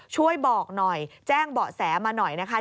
ช่วยบอกหน่อยแจ้งเบาะแสมาหน่อยนะคะ